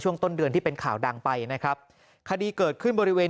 ต้นเดือนที่เป็นข่าวดังไปนะครับคดีเกิดขึ้นบริเวณ